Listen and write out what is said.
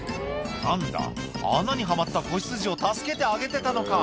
「何だ穴にはまった子羊を助けてあげてたのか」